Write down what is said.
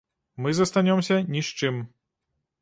Мы застанёмся ні з чым.